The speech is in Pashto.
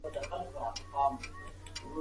یو وږي ته ډوډۍ ورکړئ.